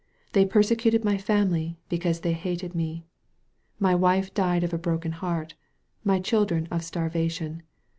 They persecuted my family, because they hated me. My wife died of a broken heart, my children of starvation.